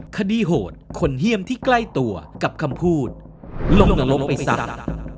คดีโหดคนเหี่ยมที่ใกล้ตัวกับคำพูดลงหลงไปสัตว์